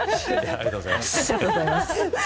ありがとうございます。